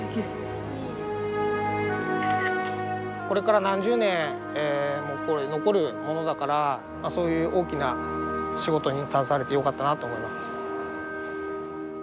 これから何十年残るものだからそういう大きな仕事に携われてよかったなって思います。